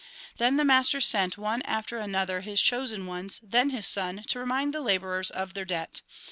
Then the master sent one after another his chosen ones, then his son, to remind the labourers of their debt.